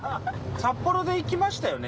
札幌で行きましたよね？